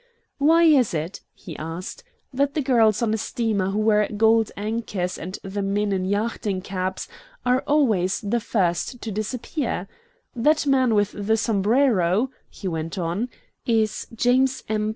Why is it," he asked, "that the girls on a steamer who wear gold anchors and the men in yachting caps are always the first to disappear? That man with the sombrero," he went on, "is James M.